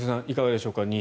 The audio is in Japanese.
いかがでしょうか